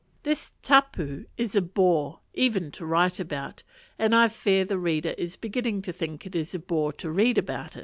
This tapu is a bore, even to write about, and I fear the reader is beginning to think it a bore to read about.